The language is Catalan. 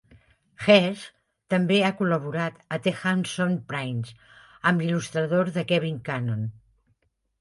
Hegg també ha col·laborat a "The Handsome Prince" amb l'il·lustrador Kevin Cannon.